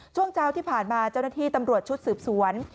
ช่วงเช้าที่ผ่านมาเจ้าหน้าที่ตำรวจชุดสืบสวน